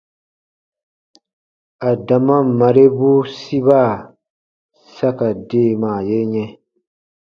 Adama marebu siba sa ka deemaa ye yɛ̃.